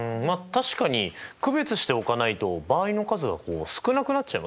確かに区別しておかないと場合の数が少なくなっちゃいますもんね。